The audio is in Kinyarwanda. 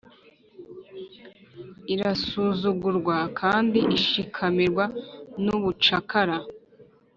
irasuzugurwa kandi ishikamirwa n’ubucakara;